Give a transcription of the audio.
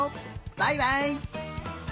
バイバイ！